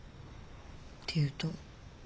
っていうと？